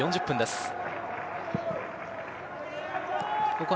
４０分です。